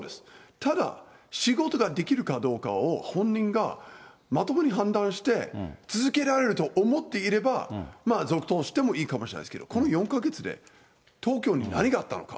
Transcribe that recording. ただ、仕事ができるかどうかを本人がまともに判断して続けられると思っていれば、まあ、続投してもいいかもしれないですけど、この４か月で東京に何があったのか。